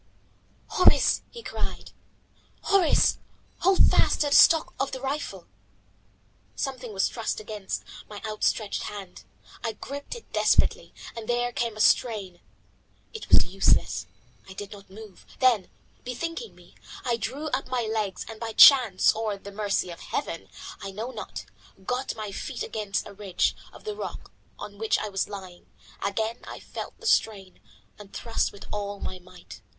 "Horace," he cried, "Horace, hold fast to the stock of the rifle." Something was thrust against my outstretched hand. I gripped it despairingly, and there came a strain. It was useless, I did not move. Then, bethinking me, I drew up my legs and by chance or the mercy of Heaven, I know not, got my feet against a ridge of the rock on which I was lying. Again I felt the strain, and thrust with all my might.